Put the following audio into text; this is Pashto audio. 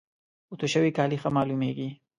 اوتو شوي کالي ښه معلوميږي.